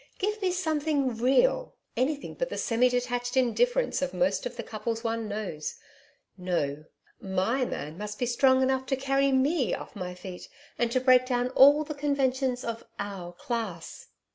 Give me something REAL anything but the semi detached indifference of most of the couples one knows. No. MY man must be strong enough to carry ME off my feet and to break down all the conventions of "OUR CLASS."